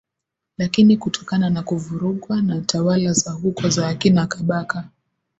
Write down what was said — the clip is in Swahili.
Lakini kutokana na kuvurugwa na tawala za huko za akina Kabaka